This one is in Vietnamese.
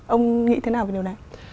ông nghĩ thế nào về điều này